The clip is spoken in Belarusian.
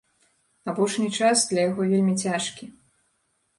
Апошні час для яго вельмі цяжкі.